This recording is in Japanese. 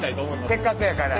せっかくやから。